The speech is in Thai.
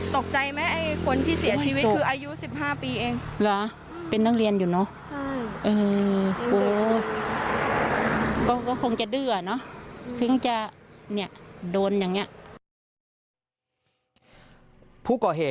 ตกใจไหมคนที่เสียชีวิตคือ